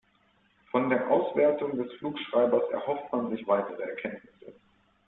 Von der Auswertung des Flugschreibers erhofft man sich weitere Erkenntnisse.